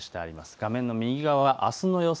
画面の右側があすの予想